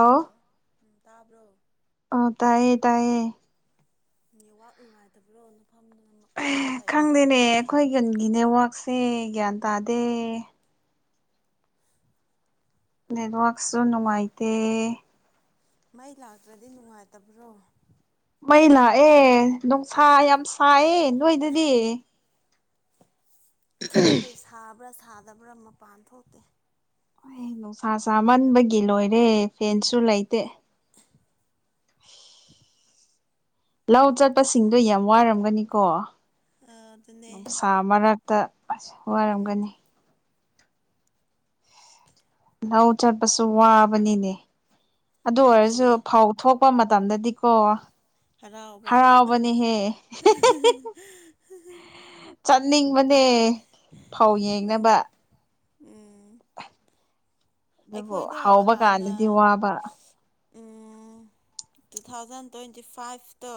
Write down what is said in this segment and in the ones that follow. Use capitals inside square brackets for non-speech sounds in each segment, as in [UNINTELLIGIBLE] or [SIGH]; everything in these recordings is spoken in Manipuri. ꯍꯜꯂꯣ ꯎꯝ ꯇꯥꯕ꯭ꯔꯣ ꯑꯥ ꯇꯥꯏꯌꯦ ꯇꯥꯏꯌꯦ ꯅꯦꯠꯋꯥꯛ ꯅꯨꯡꯉꯥꯏꯇꯕ꯭ꯔꯣ ꯅꯐꯝꯗꯨꯅ ꯈꯪꯗꯦꯅꯦ ꯑꯩꯈꯣꯏ ꯈꯨꯟꯒꯤ ꯅꯦꯠꯋꯥꯛꯁꯦ ꯒ꯭ꯌꯥꯟ ꯇꯥꯗꯦ ꯅꯦꯠꯋꯥꯛꯁꯨ ꯅꯨꯡꯉꯥꯏꯇꯦ ꯃꯩ ꯂꯥꯛꯇ꯭ꯔꯗꯤ ꯅꯨꯡꯉꯥꯏꯇꯕ꯭ꯔꯣ ꯃꯩ ꯂꯥꯛꯑꯦ ꯅꯨꯡꯁꯥ ꯌꯥꯝ ꯁꯥꯏꯌꯦ ꯅꯣꯏꯗꯗꯤ ꯈꯪꯗꯦ ꯁꯥꯕ꯭ꯔꯥ ꯁꯥꯗꯕ꯭ꯔꯥ ꯃꯄꯥꯟ ꯊꯣꯛꯇꯦ ꯅꯨꯡꯁꯥ ꯁꯥꯃꯟꯕꯒꯤ ꯂꯣꯏꯔꯦ ꯐꯦꯟꯁꯨ ꯂꯩꯇꯦ [INAUDIBLE] ꯂꯧ ꯆꯠꯄꯁꯤꯡꯗꯣ ꯌꯥꯝ ꯋꯥꯔꯝꯒꯅꯤꯀꯣ ꯑꯗꯨꯅꯦ ꯅꯨꯡꯁꯥ ꯃꯔꯛꯇ ꯑꯁ ꯎꯝ ꯋꯥꯔꯝꯒꯅꯤ ꯂꯧ ꯆꯠꯄꯁꯨ ꯋꯥꯕꯅꯤꯅꯦ ꯑꯗꯨ ꯑꯣꯏꯔꯁꯨ ꯑꯗꯨꯅꯦ ꯐꯧ ꯊꯣꯛꯄ ꯃꯇꯝꯗꯗꯤꯀꯣ ꯍꯔꯥꯎꯕ ꯍꯔꯥꯎꯕꯅꯦꯍꯦ [UNINTELLIGIBLE] ꯆꯠꯅꯤꯡꯕꯅꯦ ꯐꯧ ꯎꯝ ꯌꯦꯡꯅꯕ ꯎꯝ ꯑꯗꯨꯕꯨ ꯑꯩꯈꯣꯏꯗꯣ ꯍꯧꯕ ꯍꯥꯟꯅ ꯀꯥꯟꯗꯗꯤ ꯋꯥꯕ ꯎꯝ ꯇꯨ ꯊꯥꯎꯖꯟ ꯇ꯭ꯋꯦꯟꯇꯤ ꯐꯥꯏꯚꯇꯣ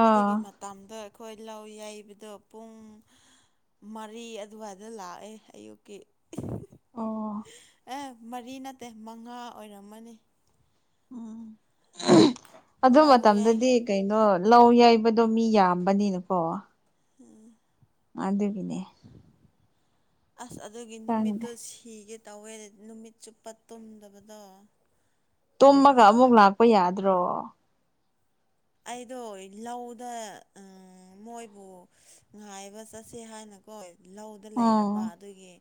ꯑꯥ ꯑꯗꯨꯒꯤ ꯃꯥ ꯇꯝꯗꯣ ꯑꯩꯈꯣꯏ ꯂꯧ ꯌꯩꯕꯗꯣ ꯄꯨꯡ ꯃꯔꯤ ꯑꯗꯨꯋꯥꯏꯗ ꯂꯥꯛꯑꯦ ꯑꯌꯨꯛꯀꯤ ꯑꯣ ꯑꯦ ꯃꯔꯤ ꯅꯠꯇꯦ ꯃꯉꯥ ꯑꯣꯏꯔꯝꯃꯅꯤ ꯎꯝ ꯑꯗꯨ ꯂꯧ ꯌꯩ ꯃꯇꯝꯗꯗꯤ ꯀꯩꯅꯣ ꯂꯧ ꯌꯥꯩꯕꯗꯣ ꯃꯤ ꯌꯥꯝꯕꯅꯤꯅꯀꯣ ꯑꯥ ꯑꯗꯨꯒꯤꯅꯦ ꯑꯁ ꯑꯗꯨꯒꯤ ꯈꯪꯗꯦ ꯅꯨꯃꯤꯠꯇꯣ ꯁꯤꯒꯦ ꯇꯧꯋꯦ ꯅꯨꯃꯤꯠ ꯆꯨꯞꯄ ꯇꯨꯝꯗꯕꯗꯣ ꯇꯨꯝꯃꯒ ꯑꯃꯨꯛ ꯂꯥꯛꯄ ꯌꯥꯗ꯭ꯔꯣ ꯑꯩꯗꯣ ꯂꯧꯗ ꯑꯪ ꯃꯣꯏꯕꯨ ꯉꯥꯏꯕ ꯆꯠꯁꯦ ꯍꯥꯏꯅ ꯍꯣꯏ ꯂꯧꯗ ꯎꯝ ꯂꯩꯔꯕ ꯑꯗꯨꯒꯤ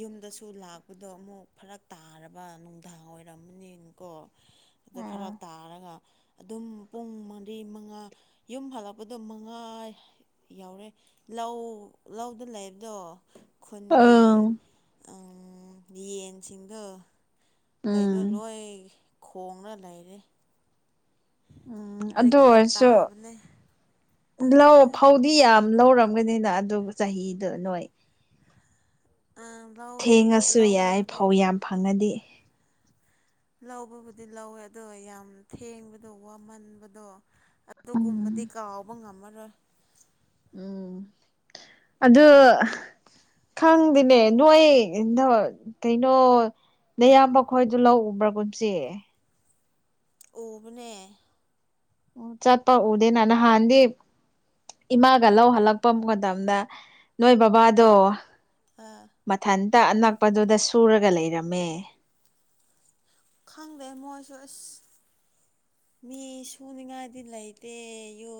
ꯌꯨꯝꯗꯁꯨ ꯂꯥꯛꯄꯗꯣ ꯑꯃꯨꯛ ꯐꯔꯛ ꯇꯥꯔꯕ ꯅꯨꯡꯗꯥꯡ ꯑꯣꯏꯔꯝꯃꯅꯤꯅꯀꯣ ꯑꯗꯨ ꯑꯪ ꯐꯔꯛ ꯇꯥꯔꯒ ꯑꯗꯨꯝ ꯄꯨꯡ ꯃ ꯔꯤ ꯃꯉꯥ ꯌꯨꯝ ꯍꯜꯂꯛꯄꯗꯣ ꯃꯉꯥ ꯌꯧꯔꯦ ꯂꯧ ꯂꯧꯗ ꯂꯩꯕꯗꯣ ꯈꯨꯟꯒꯤ ꯑꯪ ꯌꯦꯟꯁꯤꯡꯗꯣ ꯀꯩꯅꯣ ꯎꯝ ꯂꯣꯏ ꯈꯣꯡꯔ ꯂꯩꯔꯦ ꯎꯝ ꯑꯗꯨ ꯔꯦꯀꯣꯔꯠ ꯑꯣꯏꯔꯁꯨ ꯇꯥꯕꯅꯦ ꯂꯧ ꯐꯧꯗꯤ ꯌꯥꯝ ꯂꯧꯔꯝꯒꯅꯤꯅ ꯑꯗꯨ ꯆꯍꯤꯗ ꯅꯣꯏ ꯑ ꯂꯧꯗꯤ ꯂ ꯊꯦꯡꯉꯁꯨ ꯌꯥꯏ ꯂꯧꯕꯕꯨꯗꯤ ꯐꯧ ꯌꯥꯝ ꯐꯪꯉꯗꯤ ꯂꯧꯕꯕꯨꯗꯤ ꯂꯧꯋꯦ ꯑꯗꯣ ꯌꯥꯝ ꯊꯦꯡꯕꯗꯣ ꯋꯥꯃꯟꯕꯗꯣ ꯑꯗꯨꯒꯨꯝꯕꯗꯤ ꯀꯥꯎꯕ ꯉꯝꯃꯔꯣꯏ ꯎꯝ ꯑꯗꯨ ꯈꯪꯗꯦꯅꯦ ꯅꯣꯏ ꯗꯣ ꯀꯩꯅꯣ ꯅꯌꯥꯝꯕ ꯈꯣꯏꯗꯨ ꯂꯧ ꯎꯕ꯭ꯔꯥ ꯀꯨꯝꯁꯤ ꯎꯕꯅꯦ ꯎꯝ ꯆꯠꯄ ꯎꯗꯦꯅ ꯅꯍꯥꯟꯗꯤ ꯏꯃꯥꯒ ꯂꯧ ꯍꯜꯂꯛꯄ ꯃꯇꯝꯗ ꯅꯣꯏ ꯕꯥꯕꯥꯗꯣ ꯑꯥ ꯃꯊꯟꯇ ꯑꯅꯛꯄꯗꯨꯗ ꯁꯨꯔꯒ ꯂꯩꯔꯝꯃꯦ ꯈꯪꯗꯦ ꯃꯣꯏꯁꯨ ꯑꯁ ꯃꯤ ꯁꯨꯅꯤꯉꯥꯏꯗꯤ ꯂꯩꯇꯦ ꯌꯨ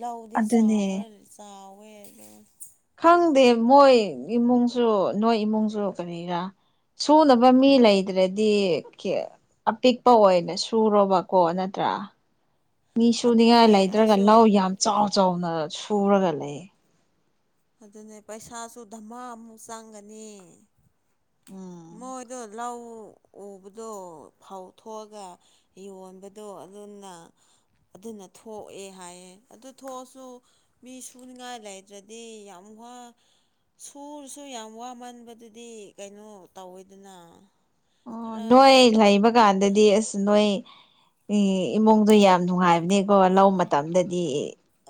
ꯂꯧꯗꯤ ꯑꯗꯨꯅꯦ ꯆꯥꯎꯔ ꯆꯥꯎꯋꯦ ꯗꯣ ꯈꯪꯗꯦ ꯃꯣꯏ ꯏꯃꯨꯡꯖꯨ ꯅꯣꯏ ꯏꯃꯨꯡꯖꯨ ꯀꯔꯤꯔ ꯁꯨꯅꯕ ꯃꯤ ꯂꯩꯇ꯭ꯔꯗꯤ ꯀ꯭ꯌ ꯑꯄꯤꯛꯄ ꯑꯣꯏꯅ ꯁꯨꯔꯣꯕꯀꯣ ꯅꯠꯇ꯭ꯔꯥ ꯃꯤ ꯑꯗꯨꯅꯦ ꯁꯨꯅꯤꯡꯉꯥꯏ ꯂꯩꯇ꯭ꯔꯒ ꯑꯩꯁꯨ ꯂꯧ ꯌꯥꯝ ꯆꯥꯎ ꯆꯥꯎꯅ ꯁꯨꯔꯒ ꯂꯩ ꯑꯗꯨꯅꯦ ꯄꯩꯁꯥꯁꯨ ꯙꯃꯥ ꯑꯃꯨꯛ ꯆꯪꯒꯅꯤ ꯎꯝ ꯃꯣꯏꯗꯣ ꯂꯧ ꯎꯕꯗꯣ ꯐꯧ ꯊꯣꯛꯑꯒ ꯌꯣꯟꯕꯗꯣ ꯑꯗꯨꯅ ꯑꯗꯨꯅ ꯊꯣꯛꯑꯦ ꯍꯥꯏꯌꯦ ꯑꯗꯨ ꯊꯣꯛꯑꯁꯨ ꯃꯤ ꯁꯨꯅꯤꯡꯉꯥꯏ ꯂꯩꯇ꯭ꯔꯗꯤ ꯌꯥꯝ ꯋꯥ ꯁꯨꯔꯁꯨ ꯌꯥꯝ ꯋꯥꯃꯟꯕꯗꯨꯗꯤ ꯀꯩꯅꯣ ꯇꯧꯋꯦꯗꯅ ꯑꯣ ꯈꯔ ꯅꯣꯏ ꯂꯩꯕꯀꯥꯟꯗꯗꯤ ꯑꯁ ꯅꯣꯏ ꯏ ꯏꯃꯨꯡꯗꯣ ꯌꯥꯝ ꯅꯨꯡꯉꯥꯏꯕꯅꯦꯀꯣ ꯂꯧ ꯃꯇꯝꯗꯗꯤ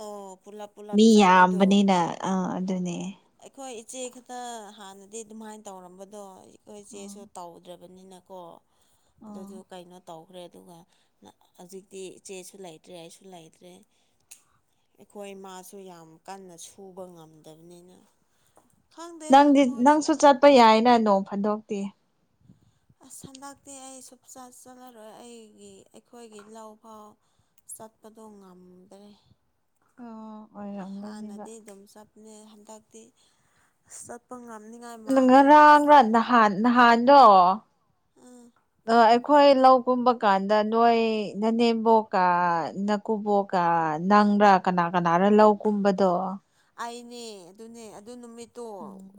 ꯑꯣ ꯄꯨꯂꯞ ꯄꯨꯂꯞ ꯃꯤ ꯆꯠꯄꯗꯨ ꯌꯥꯝꯕꯅꯤꯅ ꯑꯥ ꯑꯗꯨꯅꯦ ꯑꯩꯈꯣꯏ ꯏꯆꯦ ꯈꯛꯇ ꯍꯥꯟꯅꯗꯤ ꯗꯨꯃꯥꯏꯟ ꯇꯧꯔꯝꯕꯗꯣ ꯏꯀꯣꯏ ꯑꯣ ꯏꯆꯦꯁꯨ ꯇꯧꯗ꯭ꯔ ꯕꯅꯤꯅꯀꯣ ꯑꯣ ꯑꯗꯨꯗꯨ ꯀꯩꯅꯣ ꯇꯧꯒ꯭ꯔꯦ ꯑꯗꯨꯒ ꯅ ꯍꯧꯖꯤꯛꯇꯤ ꯏꯆꯦꯁꯨ ꯂꯩꯇ꯭ꯔꯦ ꯑꯩꯁꯨ ꯂꯩꯇ꯭ꯔꯦ ꯑꯩꯈꯣꯏ ꯃꯥꯁꯨ ꯌꯥꯝ ꯀꯟꯅ ꯁꯨꯕ ꯉꯝꯗꯕꯅꯤꯅ ꯈꯪꯗꯦ ꯅꯪꯗꯤ ꯃꯣꯏꯁꯨ ꯅꯪꯁꯨ ꯆꯠꯄ ꯌꯥꯏꯅ ꯅꯣꯡ ꯐꯥꯗꯣꯛꯇꯤ [INAUDIBLE] ꯑꯁ ꯍꯟꯗꯛꯇꯤ ꯑꯩ ꯁꯨꯞꯆꯠ ꯆꯠꯂꯔꯣꯏ ꯑꯩꯒꯤ ꯑꯩꯈꯣꯏꯒꯤ ꯂꯧꯐꯥꯎ ꯆꯠꯄꯗꯣ ꯉꯝꯗ꯭ꯔꯦ ꯑꯣ ꯑꯣꯏꯔꯝꯒꯅꯦꯕ ꯍꯥꯟꯅꯗꯩ ꯑꯗꯨꯝ ꯆꯠꯄꯥꯅꯦ ꯍꯟꯗꯛꯇꯤ ꯑꯁ ꯆꯠꯄꯥ ꯉꯝꯅꯤꯉꯥꯏ ꯃꯥꯟꯗꯦ ꯍꯥꯟ ꯅꯍꯥꯟꯗꯣ ꯑ ꯗ ꯑꯩꯈꯣꯏ ꯂꯧ ꯀꯨꯝꯕ ꯀꯥꯟꯗ ꯅꯣꯏ ꯅꯅꯦꯝꯕꯣꯛꯀꯥ ꯅ ꯀꯨꯕꯣꯛꯀ ꯅꯪꯔ ꯀꯅꯥ ꯀꯅꯥꯔ ꯂꯧ ꯀꯨꯝꯕꯗꯣ ꯑꯩꯅꯦ ꯑꯗꯨꯅꯦ ꯑꯗꯨ ꯅꯨꯃꯤꯠꯇꯣ ꯎꯝ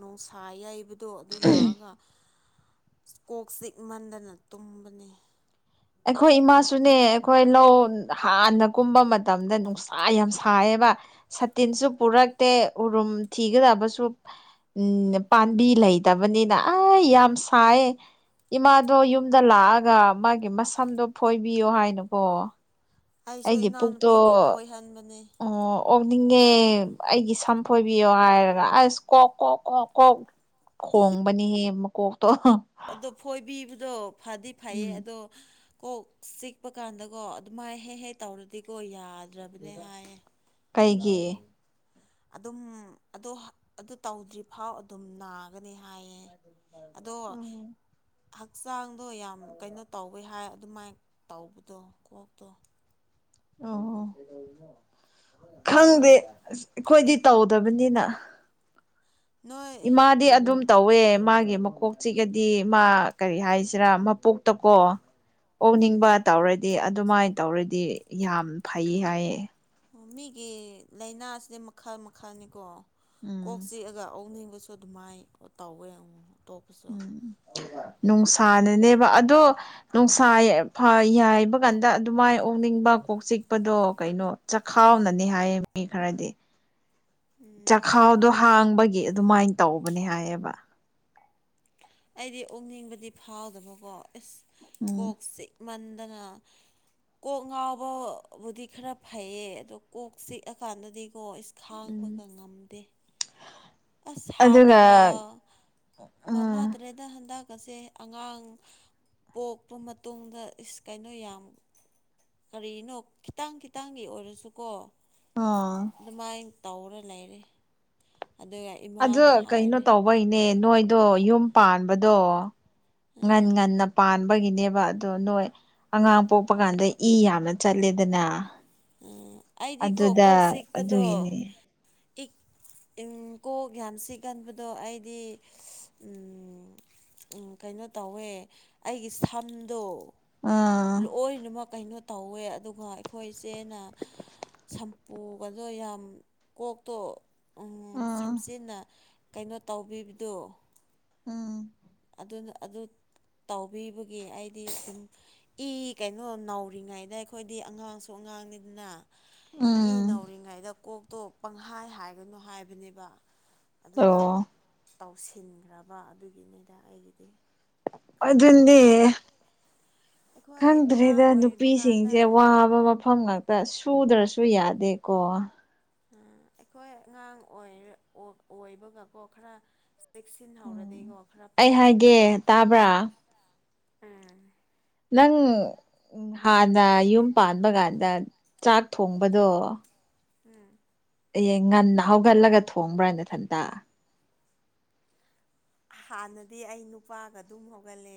ꯅꯨꯡꯁꯥ ꯌꯩꯕ ꯇꯣ ꯑꯗꯨ ꯂꯥꯛꯑꯒ ꯀꯣꯛ ꯆꯤꯛꯃꯟꯗꯅ ꯇꯨꯝꯕꯅꯦ ꯑꯩꯈꯣꯏ ꯏꯃꯥꯁꯨꯅꯦ ꯑꯩꯈꯣꯏ ꯂꯧ ꯍꯥꯟꯅ ꯀꯨꯝꯕ ꯃꯇꯝꯗ ꯅꯨꯡꯁꯥ ꯌꯥꯝ ꯁꯥꯏꯌꯦꯕ ꯁꯥꯇꯤꯟꯁꯨ ꯄꯨꯔꯛꯇꯦ ꯎꯔꯨꯝ ꯊꯤꯒꯥꯗꯕꯁꯨ ꯎꯝ ꯄꯥꯝꯕꯤ ꯂꯩꯇꯥꯕꯅꯤꯅ ꯑꯥ ꯌꯥꯝ ꯁꯥꯏꯌꯦ ꯏꯃꯥꯗꯣ ꯌꯨꯝꯗ ꯂꯥꯛꯑꯥꯒ ꯃꯥꯒꯤ ꯃꯁꯝꯗꯣ ꯐꯣꯏꯕꯤꯌꯣ ꯍꯥꯏꯅꯀꯣ ꯑꯩꯁꯨ ꯑꯩꯒꯤ ꯄꯨꯛꯇꯣ ꯏꯅꯥꯎꯅꯨꯄꯤꯕꯨ ꯐꯣꯏꯍꯟꯕꯅꯦ ꯑꯣ ꯑꯣꯛꯅꯤꯡꯉꯦ ꯑꯩꯒꯤ ꯁꯝ ꯐꯣꯏꯕꯤꯌꯣ ꯍꯥꯏꯔꯒ ꯑꯁ ꯀꯣꯛ ꯀꯣꯛ ꯀꯣꯛ ꯀꯣꯛ ꯈꯣꯡꯕꯅꯤꯍꯦ ꯃꯀꯣꯛꯇꯣ ꯑꯗꯣ ꯐꯣꯏꯕꯤꯕꯗꯣ ꯐꯥꯗꯤ ꯐꯩꯌꯦ ꯎꯝ ꯑꯗꯣ ꯀꯣꯛ ꯆꯤꯛꯄꯀꯥꯟꯗꯀꯣ ꯑꯗꯨꯃꯥꯏ ꯍꯦ-ꯍꯦꯛ ꯇꯧꯔꯗꯤꯀꯣ ꯌꯥꯗ꯭ꯔ ꯀꯩꯒꯤ ꯑꯗꯨꯝ ꯑꯗꯣ ꯑꯗꯨ ꯇꯧꯗ꯭ꯔꯤꯐꯥꯎ ꯑꯗꯨꯝ ꯅꯥꯒꯅꯦ ꯍꯥꯏꯌꯦ ꯑꯗꯣ ꯎꯝ ꯍꯛꯆꯥꯡꯗꯣ ꯌꯥꯝ ꯀꯩꯅꯣ ꯇꯧꯋꯤ ꯍꯥꯏ ꯑꯗꯨꯃꯥꯏ ꯇꯧꯕꯗꯣ ꯀꯣꯛꯇꯣ ꯑꯣ ꯈꯪꯗꯦ ꯑꯁ ꯑꯩꯈꯣꯏꯗꯤ ꯇꯧꯗꯕꯅꯤꯅ ꯅꯣꯏ ꯏꯃꯥꯗꯤ ꯑꯗꯨꯝ ꯇꯧꯋꯦ ꯃꯥꯒꯤ ꯃꯀꯣꯛ ꯆꯤꯛꯑꯗꯤ ꯃꯥ ꯀꯔꯤ ꯍꯥꯏꯁꯤꯔ ꯃꯄꯨꯛ ꯇꯀꯣ ꯑꯣꯛꯅꯤꯡꯕ ꯇꯧ [INAUDIBLE] ꯗꯤ ꯑꯗꯨꯃꯥꯏ ꯇꯧꯔꯗꯤ ꯌꯥꯝ ꯐꯩ ꯍꯥꯏꯌꯦ ꯑꯣ ꯃꯤꯒꯤ ꯂꯥꯏꯅꯥꯁꯦ ꯃꯈꯜ ꯃꯈꯜꯅꯤꯀꯣ ꯎꯝ ꯀꯣꯛ ꯆꯤꯛꯑꯒ ꯑꯣꯛꯅꯤꯡꯕꯁꯨ ꯑꯗꯨꯃꯥꯏ ꯇꯧꯋꯦ ꯑꯃꯨꯛ ꯃꯨꯛ ꯎꯝ ꯅꯨꯡꯁꯥꯅꯅꯦꯕ ꯑꯗꯣ ꯅꯨꯡꯁꯥ ꯐ ꯌꯥꯏꯕ ꯀꯥꯟꯗ ꯑꯗꯨꯃꯥꯏ ꯑꯣꯛꯅꯤꯡꯕ ꯀꯣꯛ ꯆꯤꯛꯄꯗꯣ ꯀꯩꯅꯣ ꯆꯈꯥꯎꯅꯅꯦ ꯍꯥꯏꯌꯦ ꯃꯤ ꯈꯔꯗꯤ ꯎꯝ ꯆꯈꯥꯎꯗꯣ ꯍꯥꯡꯕꯒꯤ ꯑꯗꯨꯃꯥꯏ ꯇꯧꯕꯅꯦ ꯍꯥꯏꯌꯦꯕ ꯑꯩꯗꯤ ꯑꯣꯛꯅꯤꯡꯕꯗꯤ ꯐꯥꯎꯗꯕꯀꯣ ꯏꯁ ꯎꯝ ꯀꯣꯛ ꯆꯤꯛ ꯃꯟꯗꯅ ꯀꯣꯛ ꯉꯥꯎꯕꯕꯨꯗꯤ ꯈꯔ ꯐꯩꯌꯦ ꯑꯗꯣ ꯀꯣꯛ ꯆꯤꯛꯑ ꯀꯥꯟꯗꯗꯤꯀꯣ ꯎꯝ ꯈꯥꯡꯕꯒ ꯉꯝꯗꯦ ꯑꯁ ꯑꯗꯨꯒ ꯍꯥꯟꯅꯒ ꯎꯝ ꯃꯥꯟꯅꯗ꯭ꯔꯦꯗ ꯍꯟꯗꯛꯀꯁꯦ ꯑꯉꯥꯡ ꯄꯣꯛꯄ ꯃꯇꯨꯡꯗ ꯏꯁ ꯀꯩꯅꯣ ꯌꯥꯝ ꯀꯔꯤꯅꯣ ꯈꯤꯇꯪ ꯈꯤꯇꯪꯒꯤ ꯑꯣꯏꯔꯁꯨꯀꯣ ꯑꯥ ꯑꯗꯨꯃꯥꯏ ꯇꯧꯔ ꯂꯩꯔꯦ ꯑꯗꯨꯒ ꯏꯃꯥꯅ ꯍꯥꯏꯔꯦ ꯍꯣꯏꯅꯦ ꯅꯣꯏꯗꯣ ꯌꯨꯝ ꯄꯥꯟꯕꯗꯣ ꯉꯟ ꯎꯝ ꯉꯟꯅ ꯄꯥꯟꯕꯒꯤꯅꯦꯕ ꯑꯗꯣ ꯅꯣꯏ ꯑꯉꯥꯡ ꯄꯣꯛꯄ ꯀꯥꯟꯗ ꯏ ꯌꯥꯝꯅ ꯆꯠꯂꯦꯗꯅ ꯎꯝ ꯑꯩꯗꯤꯀꯣ ꯑꯗꯨꯗ ꯀꯣꯛ ꯆꯤꯛꯄꯗꯣ ꯑꯗꯨꯒꯤꯅꯦ ꯏꯛ ꯏꯪ ꯀꯣꯛ ꯌꯥꯝ ꯆꯤꯛꯀꯟꯕꯗꯣ ꯑꯩꯗꯤ ꯎꯝ ꯎꯝ ꯀꯩꯅꯣ ꯇꯧꯋꯦ ꯑꯩꯒꯤ ꯁꯝꯗꯣ ꯑꯥ ꯂꯣꯏꯅꯃꯛ ꯀꯩꯅꯣ ꯇꯧꯋꯦ ꯑꯗꯨꯒ ꯑꯩꯈꯣꯏ ꯆꯦꯅ ꯁꯝꯄꯨꯒꯗꯣ ꯌꯥꯝ ꯀꯣꯛꯇꯣ ꯎꯝ ꯎꯝ ꯁꯝꯆꯦꯠꯅ ꯀꯩꯅꯣ ꯇꯧꯕꯤꯕꯗꯣ ꯎꯝ ꯑꯗꯨꯅ ꯑꯗꯨ ꯇꯧꯕꯤꯕꯒꯤ ꯑꯩꯗꯤ ꯁꯨꯝ ꯏ ꯀꯩꯅꯣ ꯅꯧꯔꯤꯉꯩꯗ ꯑꯩꯈꯣꯏꯗꯤ ꯑꯉꯥꯡꯁꯨ ꯑꯉꯥꯡꯅꯤꯗꯅ ꯏ ꯎꯝ ꯅꯧꯔꯤꯉꯩꯗ ꯀꯣꯛꯇꯣ ꯄꯪꯍꯥꯏ ꯍꯥꯏꯒꯅꯨ ꯍꯥꯏꯕꯅꯦꯕ ꯑꯗꯨꯗ ꯑꯣ ꯇꯧꯁꯤꯟꯈ꯭ꯔꯕ ꯑꯗꯨꯒꯤꯅꯤꯗ ꯑꯩꯒꯤꯗꯤ ꯈꯪꯉꯦ ꯑꯗꯨꯅꯦ ꯑꯩꯁꯦ ꯑꯩꯈꯣꯏ ꯑꯉꯥꯡ ꯈꯪꯗ꯭ꯔꯦꯗ ꯑꯣꯏꯕ ꯀꯥꯟꯗ ꯅꯨꯄꯤꯁꯤꯡꯁꯦ ꯋꯥ ꯋꯥꯕ ꯃꯐꯝ ꯉꯥꯛꯇ ꯁꯨꯗ꯭ꯔꯁꯨ ꯌꯥꯗꯦꯀꯣ ꯑꯩꯈꯣꯏ ꯑꯉꯥꯡ ꯑꯣꯏꯔ ꯑꯣꯏꯕꯒꯀꯣ ꯈꯔ ꯆꯦꯛꯁꯤꯟ ꯎꯝ ꯍꯧꯔꯗꯤꯀꯣ ꯈꯔ ꯑꯩ ꯍꯥꯏꯒꯦ ꯐꯒꯗꯕ ꯇꯥꯕ꯭ꯔꯥ ꯎꯝ ꯅꯪ ꯍꯥꯟꯅ ꯌꯨꯝ ꯄꯥꯟꯕ ꯀꯥꯟꯗ ꯆꯥꯛ ꯊꯣꯡꯕꯗꯣ ꯎꯝ ꯍꯌꯦꯡ ꯉꯟꯅ ꯍꯧꯒꯠꯂꯒ ꯊꯣꯡꯕ꯭ꯔ ꯅꯊꯟꯇ ꯍꯥꯟꯅꯗꯤ ꯑꯩ ꯅꯨꯄꯥꯒ ꯑꯗꯨꯝ ꯍꯧꯒꯠꯂꯦ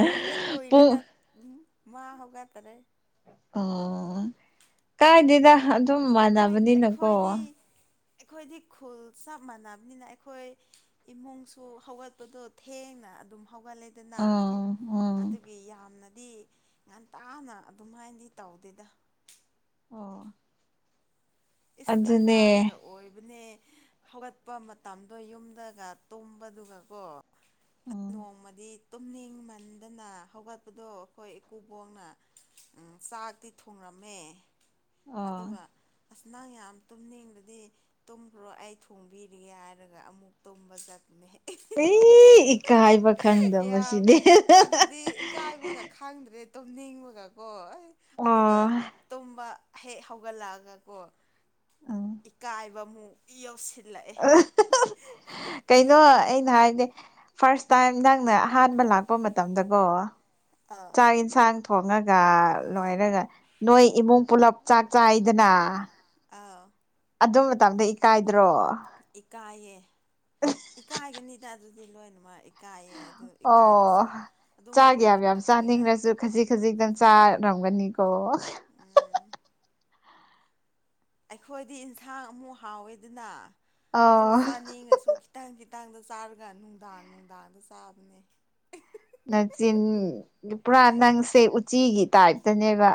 ꯀꯨꯏꯔ ꯀꯨꯏꯔꯒ ꯄꯨꯡ ꯎꯝ ꯃꯥ ꯍꯧꯒꯠꯇꯔꯦ ꯑꯣ ꯀꯥꯏꯗꯦꯗ ꯑꯗꯨꯝ ꯑꯩꯈꯣꯏ ꯃꯥꯟꯅꯕꯅꯤꯅꯀꯣ ꯑꯩꯈꯣꯏꯗꯤ ꯑꯩꯈꯣꯏꯗꯤ ꯈꯨꯜ ꯆꯞ ꯃꯥꯟꯅꯕꯅꯤꯅ ꯑꯩꯈꯣꯢ ꯏꯃꯨꯡꯁꯨ ꯍꯧꯒꯠꯄꯗꯣ ꯊꯦꯡꯅ ꯑꯗꯨꯝ ꯍꯧꯒꯠꯂꯦꯗꯅ ꯑꯥ ꯑꯥ ꯑꯗꯨꯒꯤ ꯌꯥꯝꯅꯗꯤ ꯉꯟꯇꯥꯅ ꯑꯗꯨꯝꯃꯥꯏꯅꯗꯤ ꯇꯧꯗꯦꯗ ꯑꯣꯑꯣ ꯏꯁ ꯑꯉꯥꯡꯒ ꯑꯣꯏꯕꯅꯦ ꯍꯧꯒꯠꯄ ꯃꯇꯝꯗꯣ ꯌꯨꯝꯗꯒ ꯇꯨꯝꯕꯗꯨꯒꯀꯣ ꯎꯝ ꯅꯣꯡꯃꯗꯤ ꯇꯨꯝꯅꯤꯡꯃꯟꯗꯅ ꯍꯧꯒꯠꯄꯗꯣ ꯑꯩꯈꯣꯏ ꯏꯀꯨꯕꯣꯛꯅ ꯎꯪꯝ ꯆꯥꯛꯇꯤ ꯊꯣꯡꯉꯝꯃꯦ ꯑꯣ ꯑꯗꯨꯒ ꯑꯥꯁ ꯅꯪ ꯌꯥꯝ ꯇꯨꯝꯅꯤꯡꯂꯗꯤ ꯇꯨꯝꯈ꯭ꯔꯣ ꯑꯩ ꯊꯣꯡꯕꯤꯔꯤꯒꯦ ꯍꯥꯏꯔꯒ ꯑꯃꯨꯛ ꯇꯨꯝꯕ ꯆꯠꯄꯅꯦꯍꯦ ꯏꯏ ꯏꯀꯥꯏꯕ ꯈꯪꯗꯕꯁꯤꯗꯤ ꯀꯥꯏꯕꯒ ꯈꯥꯡꯗ꯭ꯔꯦ ꯇꯨꯝꯅꯤꯡꯕꯒꯀꯣ ꯍꯥ ꯑꯗꯨꯒ ꯑꯣ ꯇꯨꯝꯕ ꯍꯦꯛ ꯍꯧꯒꯠꯂꯛꯑꯒ ꯀꯣ ꯎꯝ ꯏꯀꯥꯏꯕꯟꯃꯨꯛ ꯌꯥꯎꯁꯤꯟ INAUDIBLE INAUDIBLE ꯀꯩꯅꯣ ꯑꯩꯅ ꯍꯥꯏꯅꯦ ꯐꯥꯔꯁ ꯇꯥꯏꯝ ꯅꯪꯅ ꯑꯍꯥꯟꯕ ꯂꯥꯛꯄ ꯃꯇꯝꯗ ꯀꯣ ꯑꯥꯑ ꯑꯩ ꯏꯟꯁꯥꯡ ꯊꯣꯡꯉꯒ ꯂꯣꯏꯔꯒ ꯅꯣꯏ ꯏꯃꯨꯡ ꯄꯨꯂꯞ ꯆꯥꯛ ꯆꯥꯏꯗꯅ ꯑꯥꯑꯧ ꯑꯗꯨ ꯃꯇꯝꯗ ꯏ ꯑꯗꯨ ꯃꯇꯝꯗ ꯏꯀꯥꯢꯗ꯭ꯔꯣ ꯏꯀꯥꯏꯌꯦ ꯏꯀꯥꯏꯒꯅꯤꯗ ꯑꯗꯨꯗꯤ ꯂꯣꯏꯅꯃꯛ ꯏꯀꯥꯏꯌꯦ ꯑꯗꯨ ꯑꯣꯑꯣ ꯏꯀꯥꯏꯔꯁꯨ ꯑꯗꯨꯝ ꯆꯥꯛ ꯌꯥꯝ ꯌꯥꯝ ꯀꯨꯏꯔ ꯀꯨꯏꯔ ꯆꯥꯅꯤꯡꯂꯁꯨ ꯈꯖꯤꯛ ꯈꯖꯤꯛꯇꯪ ꯆꯥ ꯔꯝꯒꯅꯤ ꯀꯣ ꯑꯑꯥ ꯑꯩꯈꯣꯏꯗꯤ ꯏꯟꯁꯥꯡ ꯑꯃꯨꯛ ꯍꯥꯎꯋꯦꯗꯅ ꯑꯗꯣ ꯑꯣ ꯆꯥꯅꯤꯡꯉꯁꯨ ꯈꯤ ꯈꯤꯇꯥꯡ ꯈꯤꯇꯥꯡꯗꯨ ꯆꯥꯔꯒ ꯅꯨꯡꯗꯥꯡ ꯅꯨꯡꯗꯥꯡꯗ ꯆꯥꯕꯅꯦ ꯅꯆꯤꯟ ꯄꯨꯔꯥ ꯅꯪꯁꯦ ꯎꯆꯤꯒꯤ ꯇꯥꯏꯞꯇꯅꯦꯕ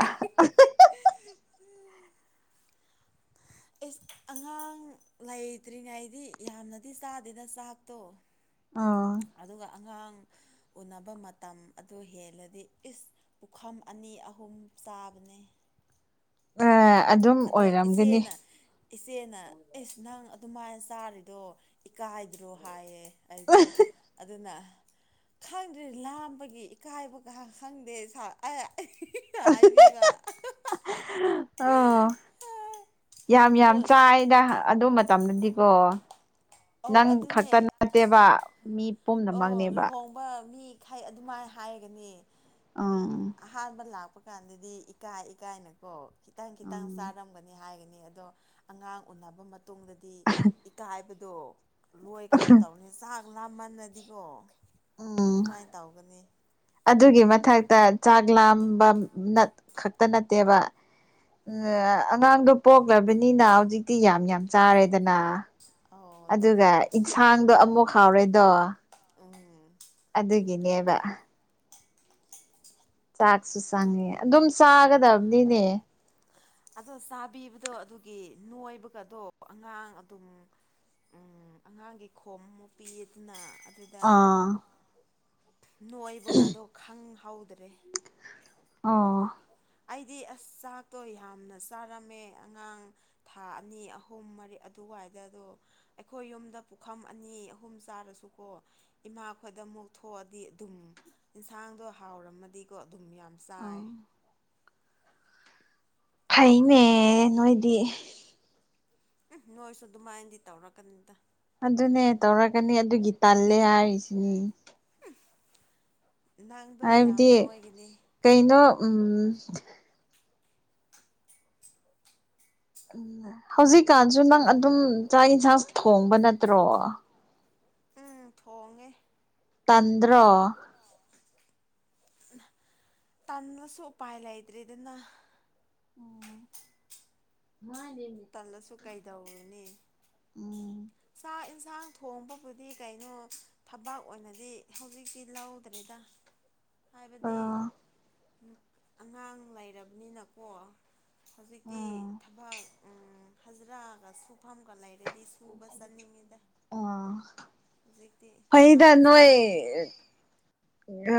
INAUDIBLE ꯏꯁ ꯑꯉꯥꯡ ꯂꯩꯇ꯭ꯔꯤꯉꯩꯗꯤ ꯌꯥꯝꯅꯗꯤ ꯆꯥꯗꯦꯗ ꯆꯥꯛꯇꯣ ꯑꯣꯑꯣ ꯑꯗꯨꯒ ꯑꯉꯥꯡ ꯎꯟꯅꯕ ꯃꯇꯝ ꯑꯗꯨ ꯍꯦꯜꯂꯗꯤ ꯏꯁ ꯄꯨꯈꯝ ꯑꯅꯤ- ꯑꯍꯨꯝ ꯆꯥꯕꯅꯤ ꯑꯥ ꯑꯗꯨꯝ ꯑꯗꯣ ꯑꯣꯏꯔꯝꯒꯅꯤ ꯏꯆꯦꯅ ꯏꯆꯦꯅ ꯏꯁ ꯅꯪ ꯑꯗꯨꯃꯥꯏꯅ ꯆꯥꯔꯤꯗꯣ ꯏꯀꯥꯏꯗ꯭ꯔꯣ ꯍꯥꯏꯌꯦ ꯑꯩꯕꯨ ꯑꯗꯨꯅ ꯈꯪꯗ꯭ꯔꯦ ꯂꯥꯝꯕꯒꯤ ꯏꯀꯥꯏꯕꯒ ꯈꯪꯗꯦ ꯁ UNINTELLIGIBLE ꯑꯣꯑꯣ ꯌꯥꯝ ꯌꯥꯝ ꯑꯗꯣ ꯆꯥꯏꯗ ꯑꯗꯨ ꯃꯇꯝꯗꯗꯤꯀꯣ ꯅꯪ ꯑꯧ ꯈꯛꯇ ꯑꯗꯨꯅꯦ ꯅꯠꯇꯦꯕ ꯃꯤ ꯄꯨꯝꯅꯃꯛꯅꯦꯕ ꯄꯥ ꯃꯤ ꯈꯩ ꯑꯗꯨꯃꯥꯏꯅ ꯍꯥꯏꯔꯒꯅꯤ ꯎꯝ ꯑꯍꯥꯟꯕ ꯂꯥꯛꯄ ꯀꯥꯟꯗꯗꯤ ꯏꯀꯥꯏ ꯏꯀꯥꯏꯅꯀꯣ ꯈꯤꯇꯪ ꯈꯤꯇꯪ ꯎꯝ ꯆꯥꯔꯝꯒ ꯅꯤ ꯍꯥꯏꯒꯅꯤ ꯑꯗꯣ ꯑꯉꯥꯡ ꯎꯟꯅꯕ ꯃꯇꯨꯡꯗꯗꯤ ꯏꯀꯥꯏꯕꯗꯣ ꯂꯣꯏ ꯀꯩꯅꯣ ꯇꯧꯅꯤ ꯆꯥꯛ ꯂꯥꯝꯃꯜꯂꯗꯤꯀꯣ ꯎꯝ ꯑꯗꯨꯃꯥꯏꯅ ꯇꯧꯒꯅꯤ ꯑꯗꯨꯒꯤ ꯃꯊꯥꯛꯇ ꯆꯥꯛ ꯂꯥꯝꯕꯝ ꯅꯠ ꯈꯛꯇ ꯅꯠꯇꯦꯕ ꯎꯝ [INAUDIBLE] ꯑꯉꯥꯡꯗꯣ ꯄꯣꯛꯂꯕꯥꯅꯤꯅ ꯍꯧꯖꯤꯛꯇꯤ ꯌꯥꯝ ꯌꯥꯝ ꯆꯥꯔꯦꯗꯅ ꯑꯧ ꯑꯗꯨꯅꯦ ꯑꯗꯨꯅ ꯏꯟꯁꯥꯡꯗꯣ ꯑꯃꯨꯛ ꯍꯥꯎꯔꯦꯗꯣ ꯎꯝ ꯑꯗꯨꯒꯤꯅꯦꯕ ꯆꯥꯛꯁꯨ ꯆꯪꯉꯦ ꯑꯗꯨꯝ ꯆꯥꯒꯗꯥꯕꯅꯤꯅꯦ ꯑꯗꯣ ꯆꯥꯕꯤꯕꯗꯣ ꯑꯗꯨꯒꯤ ꯅꯣꯏꯕꯒꯥꯗꯣ ꯑꯉꯥꯡ ꯑꯗꯨꯝ ꯎꯝ ꯑꯉꯥꯡꯒꯤ ꯈꯣꯝ ꯃꯨꯛ ꯄꯤꯌꯦꯗꯅ ꯑꯗꯨ ꯑꯥ ꯅꯣꯏꯕꯒꯗꯣ ꯈꯪ-ꯍꯧꯗ꯭ꯔꯦ ꯑꯣ ꯑꯩꯗꯤ ꯑꯁ ꯆꯥꯛꯇꯣ ꯌꯥꯝꯅ ꯆꯥꯔꯝꯃꯦ ꯑꯉꯥꯡ ꯊꯥ ꯑꯅꯤ ꯑꯍꯨꯝ ꯃꯔꯤ ꯑꯗꯨꯋꯥꯏꯗꯥꯗꯣ ꯑꯩꯈꯣꯏ ꯌꯨꯝꯗ ꯄꯨꯈꯝ ꯑꯅꯤ ꯑꯍꯨꯝ ꯆꯥꯔꯁꯨꯀꯣ ꯏꯃꯥꯈꯣꯏꯗ ꯑꯃꯨꯛ ꯊꯣꯛꯑꯗꯤ ꯑꯗꯨꯝ ꯏꯟꯁꯥꯡꯗꯣ ꯍꯥꯎꯔꯝꯃꯗꯤ ꯀꯣ ꯑꯗꯨꯝ ꯌꯥꯝ ꯆꯥꯏ ꯐꯩꯅꯦ ꯅꯣꯏꯗꯤ ꯎꯝ ꯅꯣꯏꯁꯨ ꯑꯗꯨꯃꯥꯏꯅꯗꯤ ꯇꯧꯔꯛꯀꯅꯨꯗ ꯑꯗꯨꯅꯦ ꯇꯧꯔꯛꯀꯅꯤ ꯑꯗꯨꯒꯤ ꯇꯜꯂꯦ ꯍꯥꯏꯔꯤꯁꯤꯅꯤ ꯍꯝ ꯅꯪꯗꯣ ꯌꯥꯝ ꯍꯥꯏꯕꯗꯤ ꯅꯣꯏꯒꯥꯅꯤ ꯀꯩꯅꯣ ꯎꯝ ꯎꯝ ꯍꯧꯖꯤꯛꯀꯥꯟꯁꯨ ꯅꯪ ꯑꯗꯨꯝ ꯆꯥꯛ ꯏꯟꯁꯥꯡ ꯊꯣꯡꯕ ꯅꯠꯇ꯭ꯔꯣ ꯎꯝ ꯊꯣꯡꯉꯦ ꯇꯟꯗ꯭ꯔꯣ [INAUDIBLE] ꯇꯟꯂꯁꯨ ꯎꯄꯥꯏ ꯂꯩꯇ꯭ꯔꯤꯗꯅ [INAUDIBLE] [UNINTELLIGIBLE] ꯇꯜꯂꯁꯨ ꯀꯩꯗꯧꯔꯨꯅꯤ ꯎꯝ [INAUDIBLE] ꯢꯟꯁꯥꯡ ꯊꯣꯡꯕꯕꯨꯗꯤ ꯀꯩꯅꯣ ꯊꯕꯥꯛ ꯑꯣꯏꯅꯗꯤ ꯍꯧꯖꯤꯛꯇꯤ ꯂꯧꯗ꯭ꯔꯦꯗ ꯍꯥꯏꯕꯗꯤ ꯑꯣ [INAUDIBLE] ꯑꯉꯥꯡ ꯂꯩꯔꯕꯅꯤꯅꯀꯣ ꯍꯧꯖꯤꯛꯇꯤ ꯎꯝ ꯊꯕꯛ ꯎꯝ ꯍꯥꯖꯤꯔꯥꯒ ꯁꯨꯐꯝꯒ ꯂꯩꯔꯗꯤ [UNINTELLIGIBLE] ꯆꯠꯅꯤꯡꯉꯤꯗ ꯑꯣ ꯍꯧꯖꯤꯛꯇꯤ ꯆꯥꯛ ꯐꯩꯗ ꯏꯟꯁꯥꯡꯗꯤ [INAUDIBLE] ꯅꯣꯏ [INAUDIBLE] [UNINTELLIGIBLE]